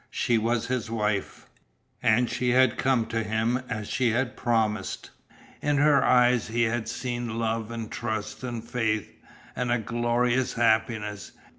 She was his wife. And she had come to him as she had promised. In her eyes he had seen love and trust and faith and a glorious happiness.